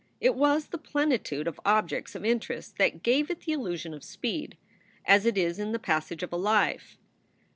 It was the plenitude of objects of interest that gave it the illusion of speed, as it is in the passage of a life.